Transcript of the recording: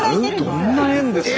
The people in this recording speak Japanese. どんな縁ですか。